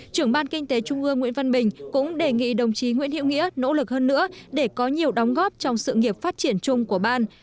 trưởng ban kinh tế trung ương nguyễn văn bình cũng đề nghị đồng chí nguyễn hiệu nghĩa nỗ lực hơn nữa để có nhiều đóng góp trong sự nghiệp phát triển chung của ban